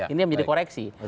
ini yang menjadi koreksi